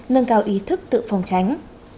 nâng cao ý thức tự phòng chánh